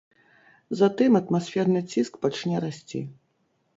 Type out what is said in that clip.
Затым атмасферны ціск пачне расці.